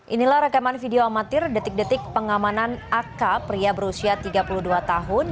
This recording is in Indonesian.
inilah rekaman video amatir detik detik pengamanan aka pria berusia tiga puluh dua tahun